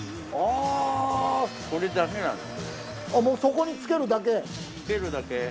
もうそこにつけるだけ？